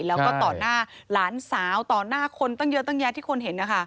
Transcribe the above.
แล้วก็ต่อหน้าหลานสาวต่อหน้าคนตั้งเยอะตั้งแยะที่คนเห็นนะคะ